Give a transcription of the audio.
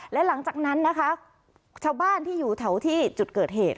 และหลังจากนั้นนะคะชาวบ้านที่อยู่แถวที่จุดเกิดเหตุ